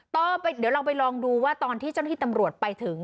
ก็เดี๋ยวเราไปลองดูว่าตอนที่เจ้าหน้าที่ตำรวจไปถึง